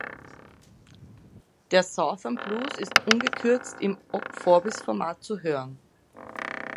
Der "Southern Blues" ist ungekürzt im Ogg Vorbis-Format zu hören.